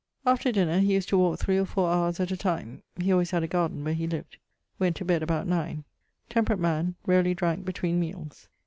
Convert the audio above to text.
After dinner he used to walke 3 or four houres at a time (he alwayes had a garden where he lived); went to bed about 9. Temperate man, rarely dranke between meales.